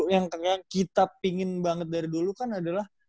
yang kita pingin banget dari dulu kan adalah